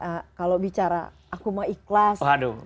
kalau kita berbicara kita harus ikhlas